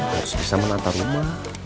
harus bisa menantar rumah